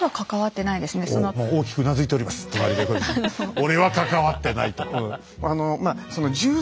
俺は関わってないと。